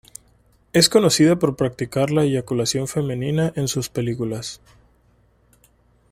Es conocida por practicar la eyaculación femenina en sus películas.